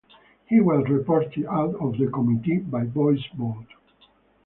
He was reported out of the committee by voice vote.